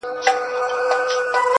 زه وايم راسه شعر به وليكو.